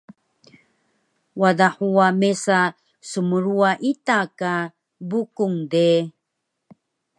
Wada huwa mesa smruwa ita ka Bukung de